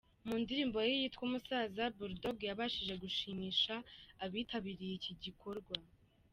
Mu ndirimbo ye yitwa "Umusaza", Bull Dogg yabashije gushimisha abitabiriye iki gikorwa.